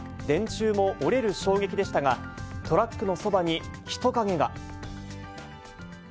電柱も折れる衝撃でしたが、トラックのそばに人影が。